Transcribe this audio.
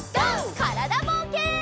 からだぼうけん。